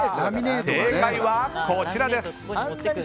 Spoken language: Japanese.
正解はこちらです。